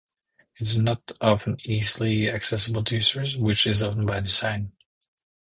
It’s not often easily accessible to users — which is often by design.